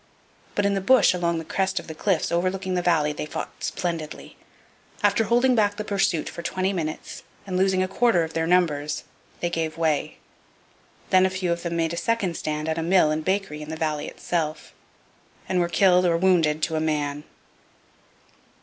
But in the bush along the crest of the cliffs overlooking the valley they fought splendidly. After holding back the pursuit for twenty minutes, and losing a quarter of their numbers, they gave way. Then a few of them made a second stand at a mill and bakery in the valley itself, and were killed or wounded to a man.